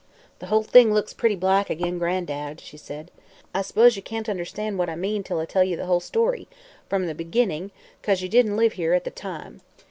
"The whole thing looks pretty black ag'in Gran'dad," she said. "I s'pose ye can't understand what I mean till I tell ye the whole story, from the beginning 'cause ye didn't live here at the time.